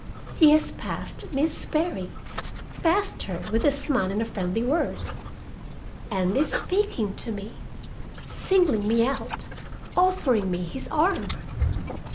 He has passed Miss Sperry—passed her with a smile and a friendly word—and is speaking to me, singling me out, offering me his arm!